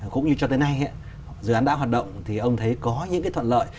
cũng như cho tới nay dự án đã hoạt động thì ông thấy có những cái thuận lợi